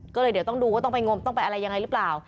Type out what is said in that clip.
ก็เลยเดี๋ยวต้องดูว่าต้องไปงมต้องไปอะไรยังไงหรือเปล่า